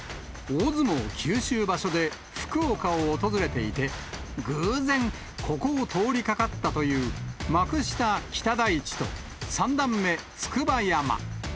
大相撲九州場所で福岡を訪れていて、偶然、これを通りかかったという幕下・北大地と、三段目・筑波山。